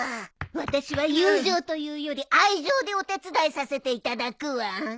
私は友情というより愛情でお手伝いさせていただくわ。